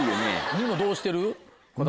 ニノどうしてる？